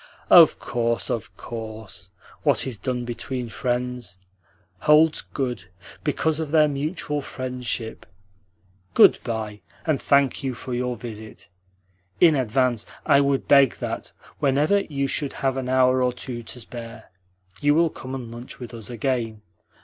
"Of course, of course. What is done between friends holds good because of their mutual friendship. Good bye, and thank you for your visit. In advance I would beg that, whenever you should have an hour or two to spare, you will come and lunch with us again.